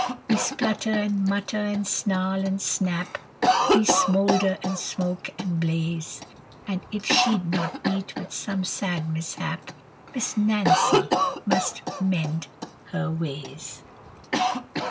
We splutter and mutter and snarl and snap, We smoulder and smoke and blaze. And if she'd not meet with some sad mishap, Miss Nancy must mend her ways.